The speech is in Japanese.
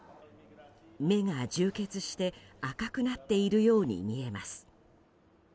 目が充血して赤くなっているように見えます。